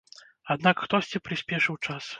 Аднак хтосьці прыспешыў час.